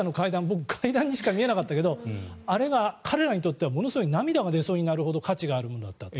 僕、階段にしか見えなかったけどあれが彼らにとってはものすごく涙が出そうになるほど価値があるものだったと。